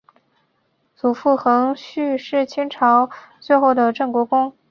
祖父恒煦是清朝最后的镇国公。